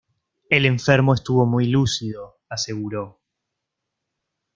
El enfermo estuvo muy lúcido, aseguró.